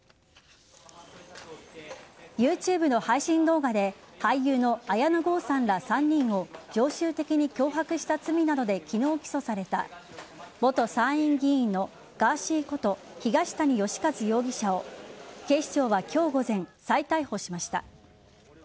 ＹｏｕＴｕｂｅの配信動画で俳優の綾野剛さんら３人を常習的に脅迫した罪などで昨日起訴された元参院議員のガーシーこと東谷義和容疑者を警視庁は今日午前再逮捕しました。